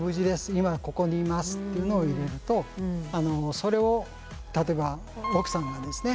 今ここにいます」っていうのを入れるとそれを例えば奥さんがですね